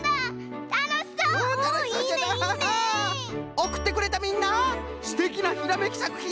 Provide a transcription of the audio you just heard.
おくってくれたみんなすてきなひらめきさくひんを。